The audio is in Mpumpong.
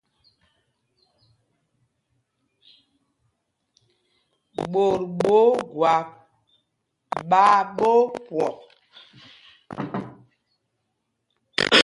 Ɓot ɓɛ̄ Ogwáp ɓaa ɓɛ̌ ópwɔk.